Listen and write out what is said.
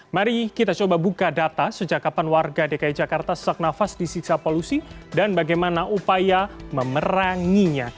mari kita coba buka data sejak kapan warga dki jakarta sesak nafas disiksa polusi dan bagaimana upaya memeranginya